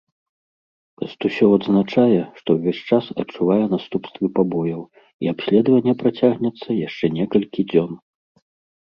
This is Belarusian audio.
Кастусёў адзначае, што ўвесь час адчувае наступствы пабояў і абследаванне працягнецца яшчэ некалькі дзён.